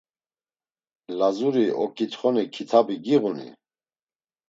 Lazuri ok̆itxoni kitabi giğuni?